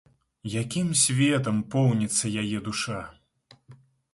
Якім светам поўніцца яе душа?